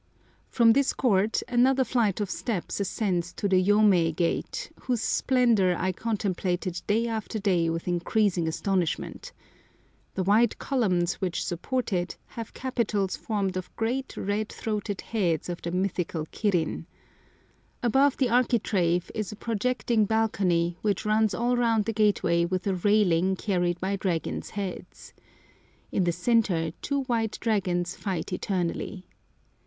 From this court another flight of steps ascends to the Yomei gate, whose splendour I contemplated day after day with increasing astonishment. The white columns which support it have capitals formed of great red throated heads of the mythical Kirin. Above the architrave is a projecting balcony which runs all round the gateway with a railing carried by dragons' heads. In the centre two white dragons fight eternally.